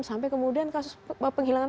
sampai kemudian kasus penghilangan